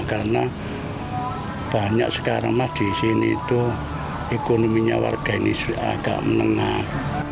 karena banyak sekarang mas di sini itu ekonominya warga ini agak menengah